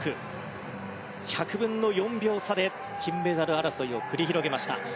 １００分の４秒差で金メダル争いを繰り広げました。